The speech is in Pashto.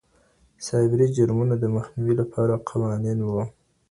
سایبري جرمونو د مخنیوي لپاره قوانین وو.